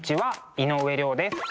井上涼です。